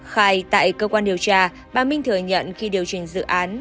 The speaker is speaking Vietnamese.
khai tại cơ quan điều tra bà minh thừa nhận khi điều chỉnh dự án